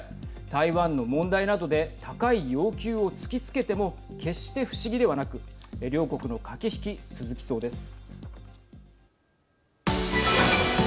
台湾の問題などで高い要求を突きつけても決して不思議ではなく両国の駆け引き、続きそうです。